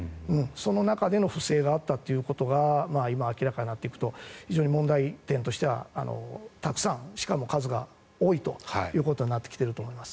その中での不正があったということが今、明らかになっていくと非常に問題点としてはたくさん、しかも数が多いということになってきていると思います。